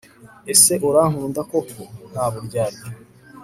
Ese urankunda koko ntaburyarya